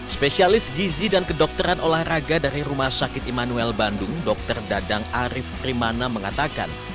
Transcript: spesialis gizi dan kedokteran olahraga dari rumah sakit immanuel bandung dr dadang arief primana mengatakan